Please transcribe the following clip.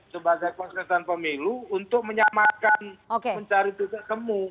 sebagai konsultan pemilu untuk menyamakan mencari titik temu